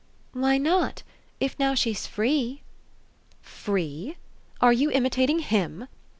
"Why not, if now she's free?" "Free? Are you imitating HIM?